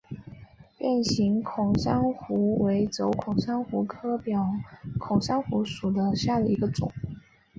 变形表孔珊瑚为轴孔珊瑚科表孔珊瑚属下的一个种。